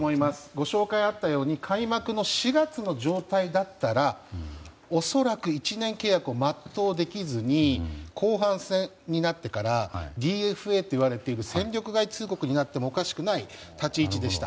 ご紹介があったように開幕の４月の状態だったら恐らく１年契約を全うできずに後半戦になってからＤＦＡと言われている戦力外通告になってもおかしくない立ち位置でした。